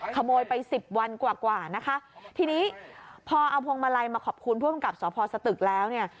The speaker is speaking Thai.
ขโมยไปสิบวันกว่ากว่านะคะทีนี้พอเอาพวงมาลัยมาขอบคุณผู้กำกับสพสตึกแล้วเนี่ย